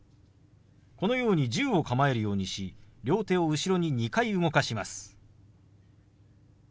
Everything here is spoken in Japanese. このように銃を構えるようにし両手を後ろに２回動かします。